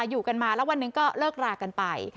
อยู่กันมาแล้ววันหนึ่งก็เลิกรากันไป